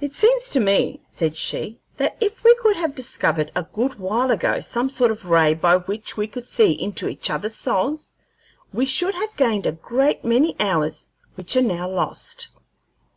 "It seems to me," said she, "that if we could have discovered a good while ago some sort of ray by which we could see into each other's souls, we should have gained a great many hours which are now lost."